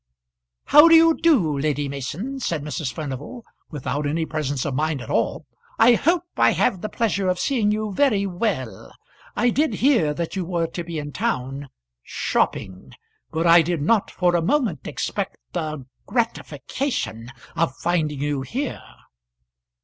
"How do you do, Lady Mason?" said Mrs. Furnival, without any presence of mind at all. "I hope I have the pleasure of seeing you very well. I did hear that you were to be in town shopping; but I did not for a moment expect the gratification of finding you here."